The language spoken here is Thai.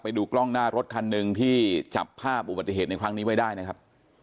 ไปดูกล้องหน้ารถคันหนึ่งที่จับภาพอุบัติเหตุในครั้งนี้ไว้ได้นะครับ